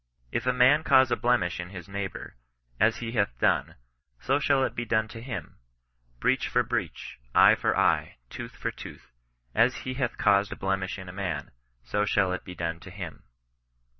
If a man cause a blemish in his neighbour ; as he hath done, so shall it be done to him ; breach for breach, eye for eye, tooth for tooth : as he hath caused a blemish in a man, so shall it be done to him."